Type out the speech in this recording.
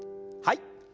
はい。